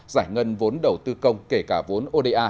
giải ngân vốn đầu tư công kể cả vốn oda